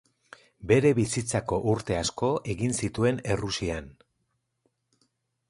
Bere bizitzako urte asko egin zituen Errusian.